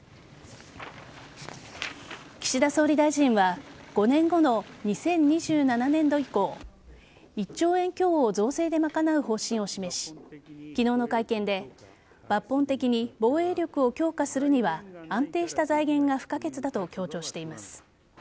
岸田総理大臣は５年後の２０２７年度以降１兆円強を増税で賄う方針を示し昨日の会見で抜本的に防衛力を強化するには安定した財源が不可欠だと強調しています。